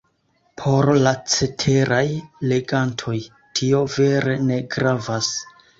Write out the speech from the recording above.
Por la ceteraj legantoj, tio vere ne gravas.